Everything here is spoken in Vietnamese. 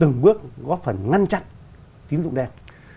góp phần ngăn chặn tín dụng đen